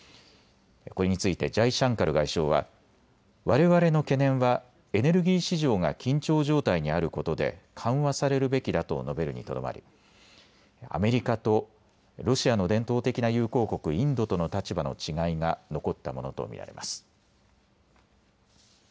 これについてジャイシャンカル外相は、われわれの懸念はエネルギー市場が緊張状態にあることで緩和されるべきだと述べるにとどまりアメリカとロシアの伝統的な友好国インドとの立場の違いが残ったものと見られます。